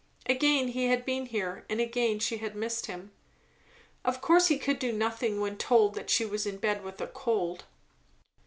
Again he had been here, and again she had missed him. Of course he could do nothing when told that she was in bed with a cold.